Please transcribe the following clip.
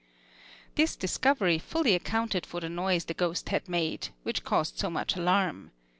This discovery fully accounted for the noise the ghost had made, which caused so much alarm.